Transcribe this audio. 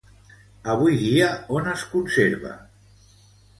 Avui dia, on es conserva?